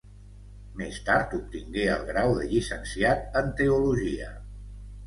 Més tard obtingué el grau de llicenciat en teologia.